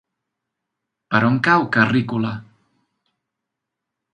Per on cau Carrícola?